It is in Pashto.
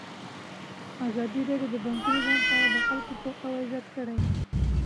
ازادي راډیو د بانکي نظام په اړه د خلکو پوهاوی زیات کړی.